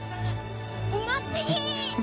うますぎ！